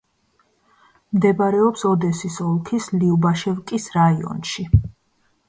მდებარეობს ოდესის ოლქის ლიუბაშევკის რაიონში.